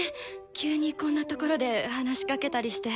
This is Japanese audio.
急にこんな所で話しかけたりして。